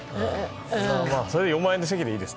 それは４万円の席でいいです。